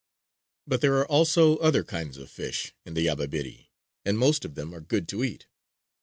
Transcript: But there are also other kinds of fish in the Yabebirì; and most of them are good to eat.